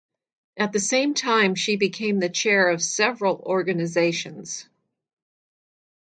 At the same time she became the chair of several organisations.